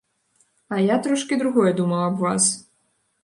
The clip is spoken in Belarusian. А я трошкі другое думаў аб вас.